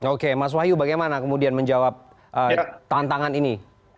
oke mas wahyu bagaimana kemudian menjawab tantangan ini